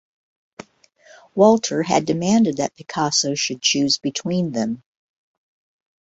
Walter had demanded that Picasso should choose between them.